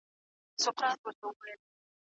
د شیرخان بندر له لارې څنګه توکي تاجکستان ته ځي؟